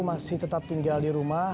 masih tetap tinggal di rumah